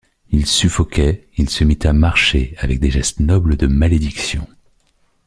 Il suffoquait, il se mit à marcher, avec des gestes nobles de malédiction.